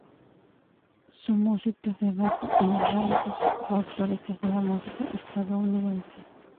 Su música se basa en las raíces folclóricas de la música estadounidense.